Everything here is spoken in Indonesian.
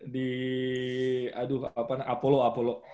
di aduh apa namanya apollo apollo